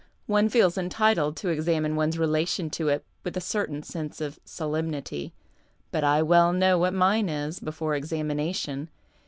one feels entitled to examine one's relation to it with a certain sense of solemnity. But I well know what mine is, before examination.